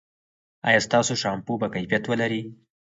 ایا ستاسو شامپو به کیفیت ولري؟